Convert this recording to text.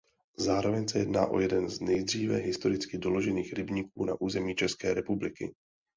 Zároveň se jedná o jeden z nejdříve historicky doložených rybníků na území České republiky.